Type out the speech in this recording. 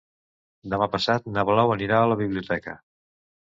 Demà passat na Blau anirà a la biblioteca.